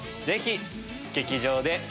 ぜひ劇場で。